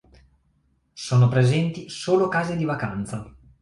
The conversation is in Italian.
Sono presenti solo case di vacanza.